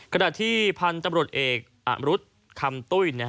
ขณะที่พันธุ์ตำรวจเอกอำรุษคำตุ้ย